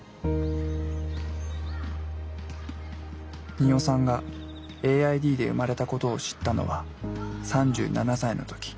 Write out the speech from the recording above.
鳰さんがＡＩＤで生まれたことを知ったのは３７歳の時。